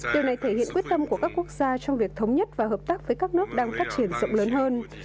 điều này thể hiện quyết tâm của các quốc gia trong việc thống nhất và hợp tác với các nước đang phát triển rộng lớn hơn